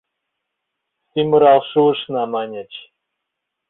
— Сӱмырал шуышна, маньыч.